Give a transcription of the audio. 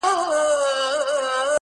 د سترگو کسي چي دي سره په دې لوگيو نه سي.